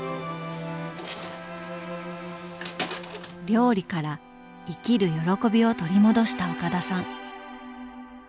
料理から生きる喜びを取り戻した岡田さん。